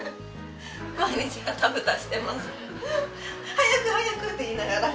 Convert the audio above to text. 「早く早く！」って言いながら。